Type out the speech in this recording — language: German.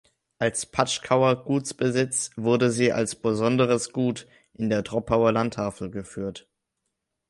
Als Patschkauer Gutsbesitz wurde sie als „besonderes Gut“ in der Troppauer Landtafel geführt.